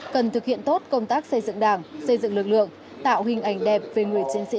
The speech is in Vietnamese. cần thực hiện tốt công tác xây dựng đảng xây dựng lực lượng tạo hình ảnh đẹp về người chiến sĩ